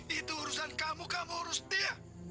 itu urusan kamu kamu harus dia